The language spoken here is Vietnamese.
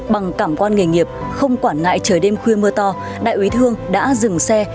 bằng cảm quan nghề nghiệp không quản ngại trời đêm khuya mưa to đại úy thương đã dừng xe